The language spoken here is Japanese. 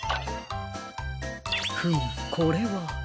フムこれは。